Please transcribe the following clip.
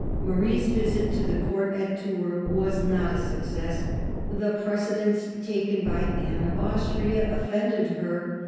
Marie's visit to the Court at Tours was not a success. The precedence taken by Anne of Austria offended her.